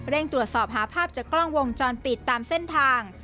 ตรวจสอบหาภาพจากกล้องวงจรปิดตามเส้นทาง